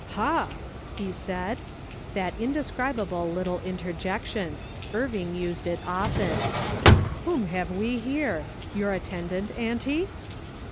" Ha !" he said — that iiidescribable little interjec tion ; Irving used it often —" whom have we here ? Your attendant, auntie